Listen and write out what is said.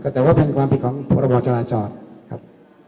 แต่ว่าเป็นความผิดของประวัติศาสตราจอดครับ